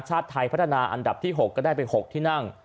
ชาติไทยพัฒนาอันดับที่๖ก็ได้ไป๖ที่นั่ง